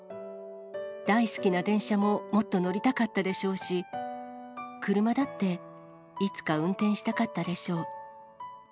大好きな電車ももっと乗りたかったでしょうし、車だっていつか運転したかったでしょう。